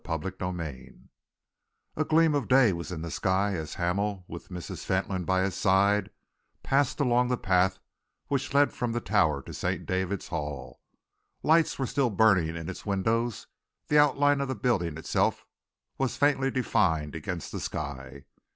CHAPTER XXXIII A gleam of day was in the sky as Hamel, with Mrs. Fentolin by his side, passed along the path which led from the Tower to St. David's Hall. Lights were still burning from its windows; the outline of the building itself was faintly defined against the sky.